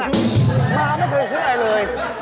มาไม่เคยพูดอะไรเลย